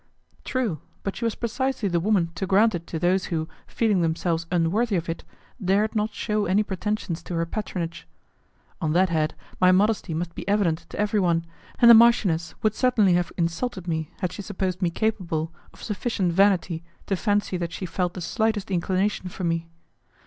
True, but she was precisely the woman to grant it to those who, feeling themselves unworthy of it, dared not shew any pretensions to her patronage. On that head, my modesty must be evident to everyone, and the marchioness would certainly have insulted me had she supposed me capable of sufficient vanity to fancy that she felt the slightest inclination for me.